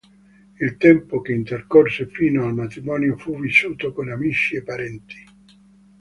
Il tempo che intercorse fino al matrimonio fu vissuto con amici e parenti.